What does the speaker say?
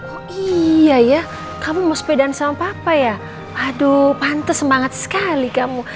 oh iya ya kamu mau sepedaan sama papa ya aduh pantas semangat sekali kamu